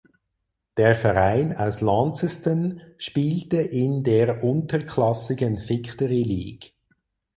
Der Verein aus Launceston spielte in der unterklassigen Victory League.